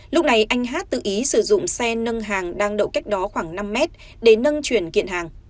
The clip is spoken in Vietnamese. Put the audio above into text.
lúc này anh hát tự ý sử dụng xe nâng hàng đang đậu cách đó khoảng năm mét để nâng chuyển kiện hàng